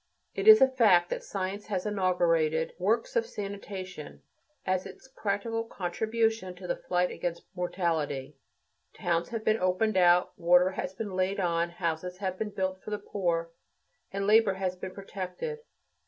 It is a fact that science has inaugurated "works of sanitation" as its practical contribution to the fight against mortality; towns have been opened out, water has been laid on, houses have been built for the poor, and labor has been protected.